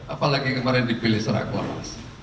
apalagi kemarin dipilih serakwaras